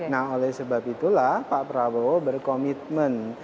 nah oleh sebab itulah pak prabowo berkomitmen